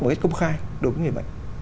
một cách công khai đối với người bệnh